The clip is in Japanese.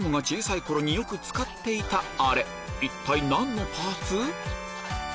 一体何のパーツ？